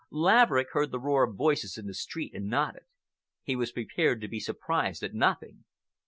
Laverick heard the roar of voices in the street, and nodded. He was prepared to be surprised at nothing.